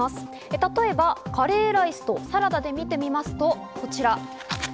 例えば、カレーライスとサラダで見てみますと、こちら。